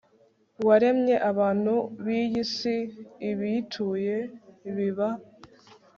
waremye abantu b'iyi si, ibiyituye biba